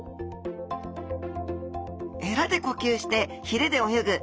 えらで呼吸してひれで泳ぐ。